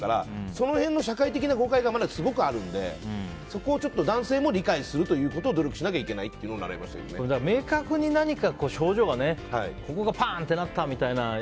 その辺の社会的な誤解がまだすごくあるので男性も理解することを努力しなきゃいけないと明確に何か症状がここがパンとなってみたいな。